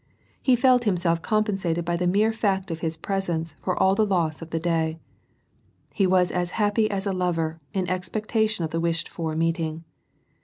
He felt himself compensated by the mere fact of his presence for all the loss of the day. He was as happy as a lover, in expec tation of the wished for meeting